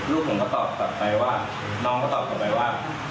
ลูกผมก็ตอบกลับไปว่าน้องก็ตอบกลับไปว่า